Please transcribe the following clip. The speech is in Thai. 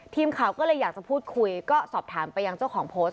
ทีมข่าวก็เลยอยากจะพูดคุยก็สอบถามไปยังเจ้าของโพสต์